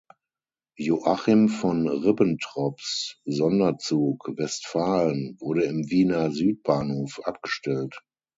Joachim von Ribbentrops Sonderzug "Westfalen" wurde im Wiener Südbahnhof abgestellt.